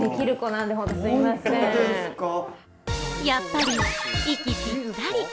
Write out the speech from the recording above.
やっぱり息ぴったり。